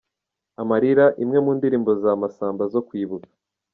Amarira, imwe mu ndirimbo za Masamba zo kwibuka.